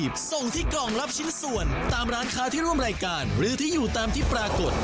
ก็ต้องไปดูตามที่ปรากฏ